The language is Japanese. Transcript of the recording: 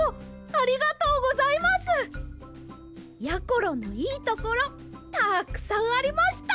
ころのいいところたくさんありました！